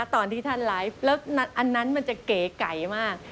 ตอนที่ท่านไลฟ์แล้วอันนั้นมันจะเก๋ไก่มาก